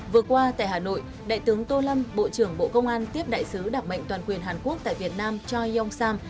vừa qua tại hà nội đại tướng tô lâm bộ trưởng bộ công an tiếp đại sứ đặc mệnh toàn quyền hàn quốc tại việt nam choi yong sam